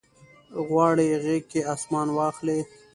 غواړي غیږ کې اسمان واخلي